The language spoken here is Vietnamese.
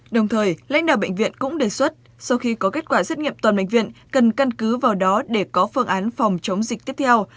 đồng thời lãnh đạo bệnh viện cũng đề xuất sau khi có kết quả xét nghiệm toàn bệnh viện cần căn cứ vào đó để có phương án phòng chống dịch tiếp theo